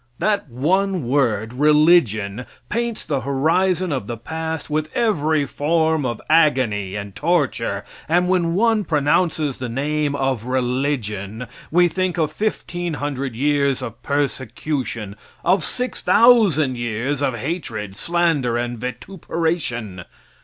That one word "religion" paints the horizon of the past with every form of agony and torture, and when one pronounces the name of "religion" we think of 1,500 years of persecution, of 6,000 years of hatred, slander and vituperation.